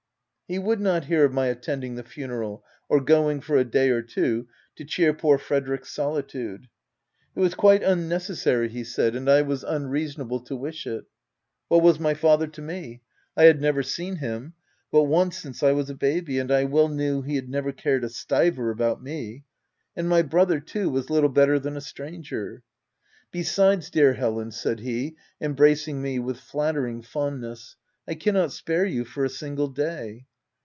" He would not hear of my attending the funeral, or going for a day or two, to cheer poor Frede rick's solitude. It was quite unnecessary, he 214 THE TENANT said, and I was unreasonable to wish it. What was my father to me ? I had never seen him, but once since I was a baby, and I well knew he had never cared a stiver about me ;— and my brother too, was little better than a stranger. " Besides, dear Helen/' said he, embracing me with flattering fondness, u I cannot spare you for a single day."